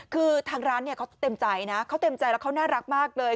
คือทางร้านเนี่ยเขาเต็มใจนะเขาเต็มใจแล้วเขาน่ารักมากเลย